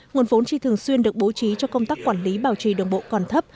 nguồn vốn chỉ thường xuyên được bố trí cho công tác quản lý bảo trì đường bộ còn thấp